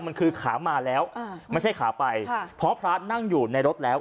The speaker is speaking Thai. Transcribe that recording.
มันคือขามาแล้วอ่าไม่ใช่ขาไปค่ะเพราะพระนั่งอยู่ในรถแล้ว